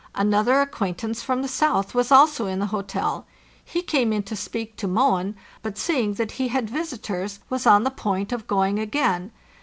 Another acquaintance from the south was also in the hotel; he came in to speak to Mohn; but, seeing that he had visitors, was on the point of going again.